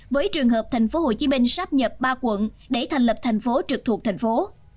với trường hợp tp hcm sắp nhập ba quận để thành lập thành phố trực thuộc thành phố